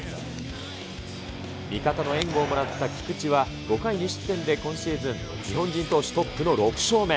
味方の援護をもらった菊池は、５回２失点で、今シーズン日本人投手トップの６勝目。